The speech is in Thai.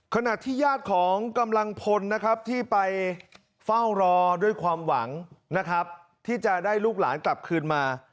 ขณะที่ญาติของกำลังพลนะครับที่ไปเฝ้ารอด้วยความหวังนะครับที่จะได้ลูกหลานกลับคืนมา